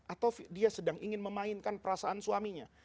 atau dia sedang ingin memainkan perasaan suaminya